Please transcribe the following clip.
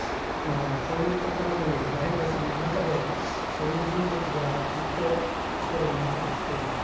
まあこういうところにまあ遠藤さんの中でそういう人物がずっと心の中に生きている。